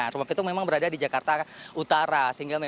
rumah pitung memang berada di jakarta utara